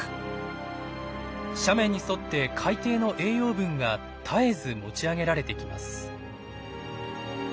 斜面に沿って海底の栄養分が絶えず持ち上げられてきます。